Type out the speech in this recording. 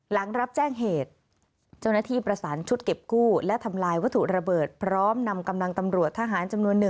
หลังรับแจ้งเหตุเจ้าหน้าที่ประสานชุดเก็บกู้และทำลายวัตถุระเบิดพร้อมนำกำลังตำรวจทหารจำนวน๑